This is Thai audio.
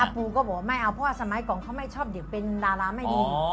ปูก็บอกว่าไม่เอาเพราะว่าสมัยก่อนเขาไม่ชอบเด็กเป็นดาราไม่ดี